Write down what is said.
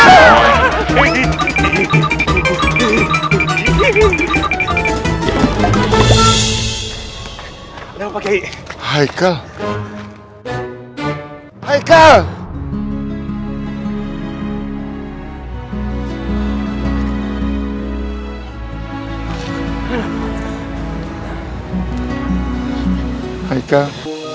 hai sudah pakai hai care hai care hai care